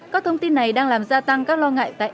các thông tin này đang làm gia tăng các lo ngại tại